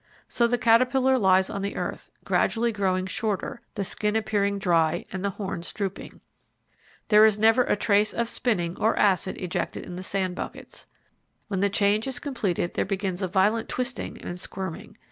So the caterpillar lies on the earth, gradually growing shorter, the skin appearing dry and the horns drooping. There never is a trace of spinning or acid ejected in the sand buckets. When the change is completed there begins a violent twisting and squirming.